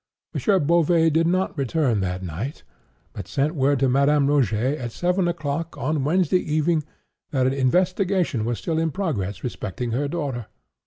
M. Beauvais did not return that night, but sent word to Madame Rogêt, at seven o'clock, on Wednesday evening, that an investigation was still in progress respecting her daughter.